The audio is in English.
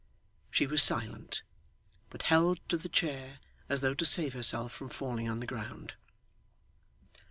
She was silent, but held to the chair as though to save herself from falling on the ground.